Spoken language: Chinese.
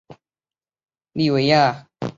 县治玻利维亚。